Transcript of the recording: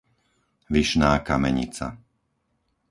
Vyšná Kamenica